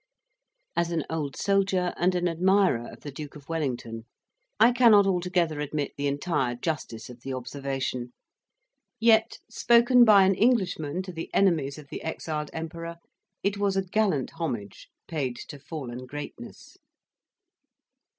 As an old soldier and an admirer of the Duke of Wellington, I cannot altogether admit the entire justice of the observation; yet, spoken by an Englishman to the enemies of the exiled Emperor, it was a gallant homage paid to fallen greatness.